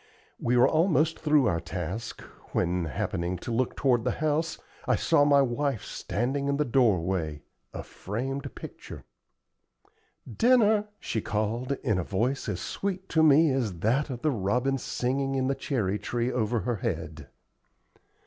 We were almost through our task when, happening to look toward the house, I saw my wife standing in the doorway, a framed picture. "Dinner," she called, in a voice as sweet to me as that of the robin singing in the cherry tree over her head.